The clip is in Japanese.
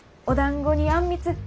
おだんごにあんみつ。